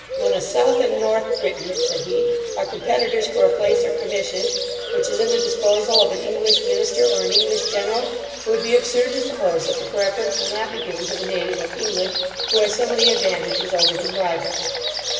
'When a South and North Briton (said he) are competitors for a place or commission, which is in the disposal of an English minister or an English general, it would be absurd to suppose that the preference will not be given to the native of England, who has so many advantages over his rival.